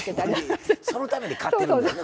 そのために買ってるんですね